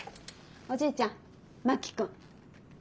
おじいちゃん真木君。